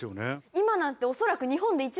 今なんて恐らく。